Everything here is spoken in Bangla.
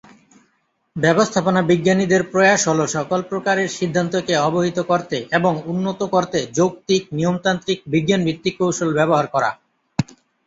ব্যবস্থাপনা বিজ্ঞানীদের প্রয়াস হল সকল প্রকারের সিদ্ধান্তকে অবহিত করতে এবং উন্নত করতে যৌক্তিক, নিয়মতান্ত্রিক, বিজ্ঞান ভিত্তিক কৌশল ব্যবহার করা।